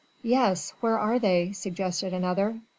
"Yes! where are they?" suggested another.